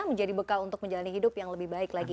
menjadi bekal untuk menjalani hidup yang lebih baik lagi